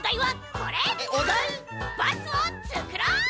バスをつくろう！